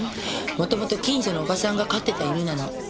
もともと近所のおばさんが飼ってた犬なの。